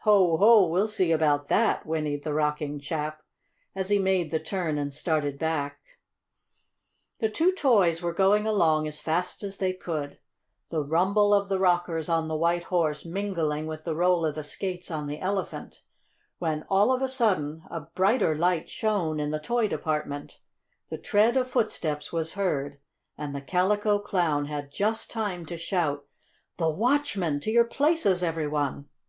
"Ho! Ho! We'll see about that!" whinnied the rocking chap, as he made the turn and started back. The two toys were going along as fast as they could, the rumble of the rockers on the White Horse mingling with the roll of the skates on the Elephant, when, all of a sudden, a brighter light shone in the toy department, the tread of footsteps was heard, and the Calico Clown had just time to shout: "The watchman! To your places, every one!"